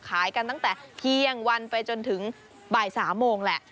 ขายกันตั้งแต่เที่ยงวันไปจนถึงบ่าย๓โมงแหละ